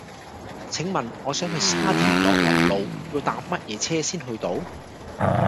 請問我想去沙田樂林路要搭乜嘢車先去到